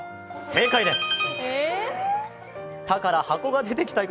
正解です。